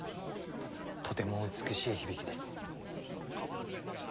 とても美しい響きです。